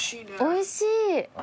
おいしい。